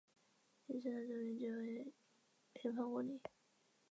米村的总面积为平方公里。